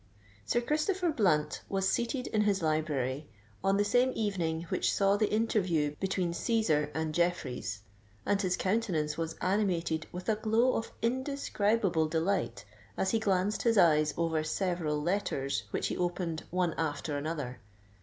Sir Christopher Blunt was seated in his library, on the same evening which saw the interview between Cæsar and Jeffreys; and his countenance was animated with a glow of indescribable delight as he glanced his eyes over several letters which he opened one after another.